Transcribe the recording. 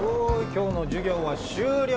今日の授業は終了。